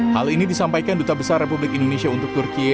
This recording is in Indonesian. hal ini disampaikan duta besar republik indonesia untuk turkiye